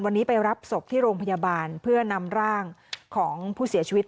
วันนี้ไปรับศพที่โรงพยาบาลเพื่อนำร่างของผู้เสียชีวิต